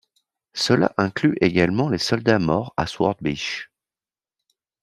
Cela inclut également les soldats morts à Sword Beach.